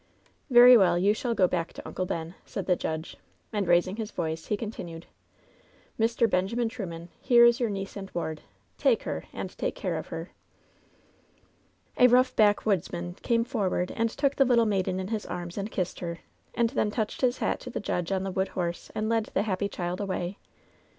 ^Very well, you shall go back to Uncle Ben,' said the judge, and raising his voice, he continued: ^Mr. Benjamin Truman, here is your niece and ward. Take her, and take care of her.' "A rough backwoodsman came forward and took the little maiden in his arms and kissed her, and then touched his hat to the judge on the wood horse and led the happy child away.